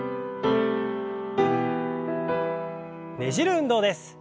ねじる運動です。